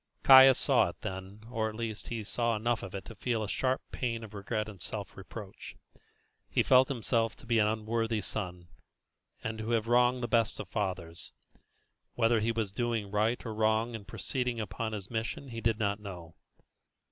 Caius saw it then, or, at least, he saw enough of it to feel a sharp pang of regret and self reproach. He felt himself to be an unworthy son, and to have wronged the best of fathers. Whether he was doing right or wrong in proceeding upon his mission he did not know.